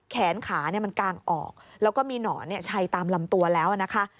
แขนขามันกางออกแล้วก็มีหนอนชัยตามลำตัวแล้วนะคะ